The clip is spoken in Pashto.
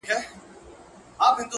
دا زما د کوچنيوالي غزل دی ،،